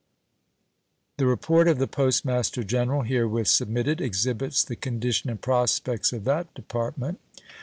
The report of the Post Master General herewith submitted exhibits the condition and prospects of that Department.